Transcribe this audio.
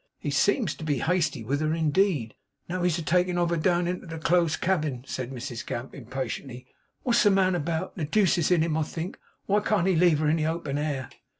'He seems to be hasty with her, indeed.' 'Now he's a taking of her down into the close cabin!' said Mrs Gamp, impatiently. 'What's the man about! The deuce is in him, I think. Why can't he leave her in the open air?